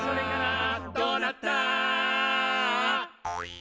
「どうなった？」